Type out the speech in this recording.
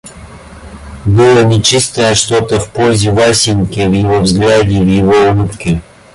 Было нечистое что-то в позе Васеньки, в его взгляде, в его улыбке.